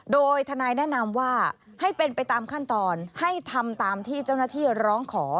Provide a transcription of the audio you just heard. โดยทนายแนะนำว่าให้เป็นไปตามขั้นตอนให้ทำตามที่เจ้าหน้าที่ร้องขอ